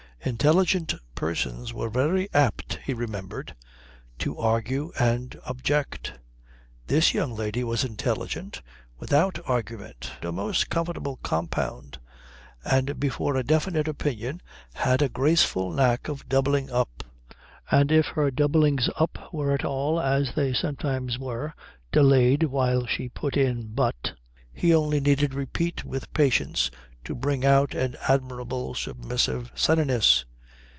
Intelligent persons are very apt, he remembered, to argue and object. This young lady was intelligent without argument, a most comfortable compound, and before a definite opinion had a graceful knack of doubling up. And if her doublings up were at all, as they sometimes were, delayed while she put in "But " he only needed repeat with patience to bring out an admirable submissive sunniness.